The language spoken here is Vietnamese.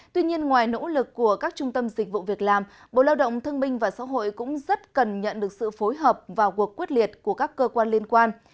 tuy nhiên ngoài nỗ lực của các trung tâm dịch vụ việc làm bộ lao động thương minh và xã hội cũng rất cần nhận được sự phối hợp và cuộc quyết liệt của các cơ quan liên quan